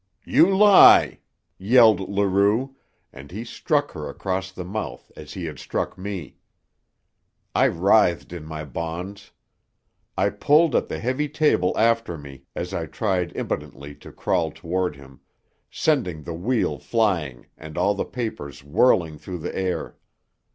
"You lie!" yelled Leroux, and he struck her across the mouth as he had struck me. I writhed in my bonds. I pulled the heavy table after me as I tried impotently to crawl toward him, sending the wheel flying and all the papers whirling through the air.